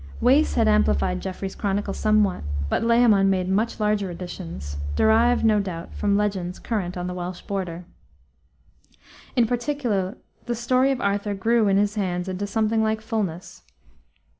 Wace had amplified Geoffrey's chronicle somewhat, but Layamon made much larger additions, derived, no doubt, from legends current on the Welsh border. In particular the story of Arthur grew in his hands into something like fullness.